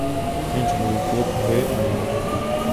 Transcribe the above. En su juventud, fue marinero.